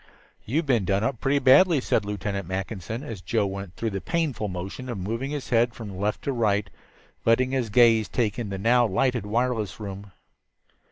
"You've been done up pretty badly," said Lieutenant Mackinson, as Joe went through the painful motion of moving his head from left to right, letting his gaze take in the now lighted wireless room.